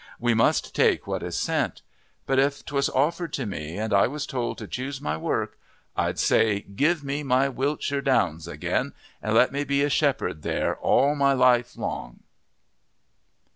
We must take what is sent. But if 'twas offered to me and I was told to choose my work, I'd say, Give me my Wiltsheer Downs again and let me be a shepherd there all my life long."